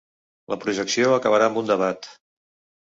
La projecció acabarà amb un debat.